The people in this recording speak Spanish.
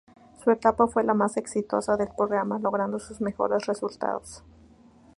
Su etapa fue la más exitosa del programa, logrando sus mejores resultados.